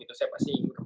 saya pasti akan menjawab